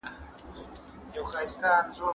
ځیني عرفونه د نکاح مخه نه نیسي.